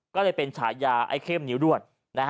ก็เลยเป็นฉายาไอ้เข้มนิ้วด้วน